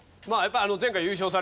まあやっぱり。